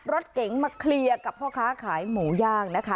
รถเก๋งมาเคลียร์กับพ่อค้าขายหมูย่างนะคะ